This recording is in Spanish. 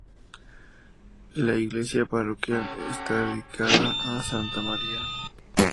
La iglesia parroquial está dedicada a santa María.